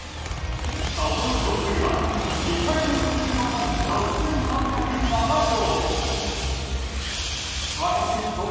その票数は２６４万６３０７票。